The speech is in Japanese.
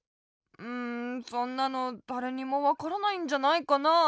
うんそんなのだれにもわからないんじゃないかなあ。